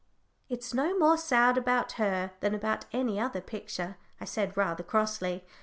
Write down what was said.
"It's no more sad about her than about any other picture," I said, rather crossly.